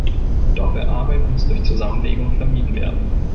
Doppelarbeit muss durch Zusammenlegung vermieden werden.